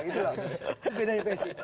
itu bedanya psi